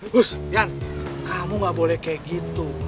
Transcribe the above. gus yan kamu gak boleh kayak gitu